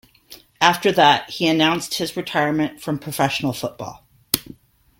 After that, he announced his retirement from professional football.